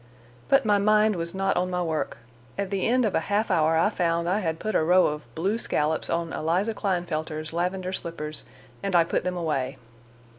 But my mind was not on my work: at the end of a half hour I found I had put a row of blue scallops on Eliza Klinefelter's lavender slippers, and I put them away.